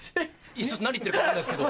何言ってるか分からないですけど。